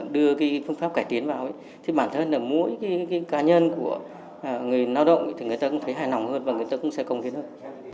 đưa cái phương pháp cải tiến vào thì bản thân là mỗi cá nhân của người lao động thì người ta cũng thấy hài lòng hơn và người ta cũng sẽ công hiến hơn